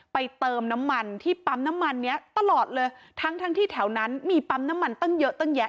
เติมน้ำมันที่ปั๊มน้ำมันเนี้ยตลอดเลยทั้งทั้งที่แถวนั้นมีปั๊มน้ำมันตั้งเยอะตั้งแยะ